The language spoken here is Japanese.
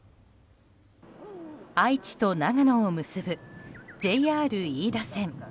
愛知と長野を結ぶＪＲ飯田線。